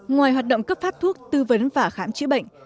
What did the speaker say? ngoài hoạt động cấp phát thuốc tư vấn và khám chữa bệnh